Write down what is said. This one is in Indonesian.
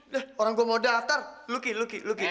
loh orang gue mau daftar luki luki luki